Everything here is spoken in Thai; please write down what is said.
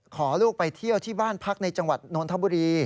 ขอลูกไปเที่ยวที่บ้านพักในจังหวัดนนทบุรี